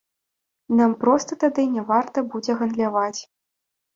Нам проста тады няварта будзе гандляваць.